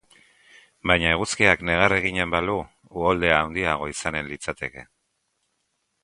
Baina eguzkiak negar eginen balu, uholdea handiagoa izanen litzateke...